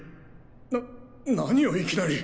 ななにをいきなり！？